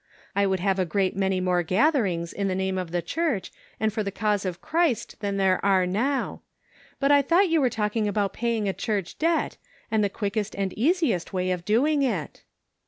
I would have a great many more gatherings in the name of the Church and for the cause of Christ than there are now; but I thought you were talking about paying a church debt, and the quickest and easiest way of doing it."